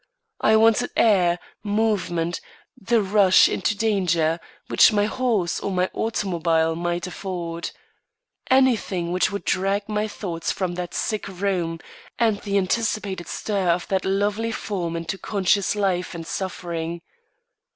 I wanted air, movement, the rush into danger, which my horse or my automobile might afford. Anything which would drag my thoughts from that sick room, and the anticipated stir of that lovely form into conscious life and suffering.